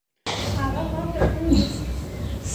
هغه ماته ګوري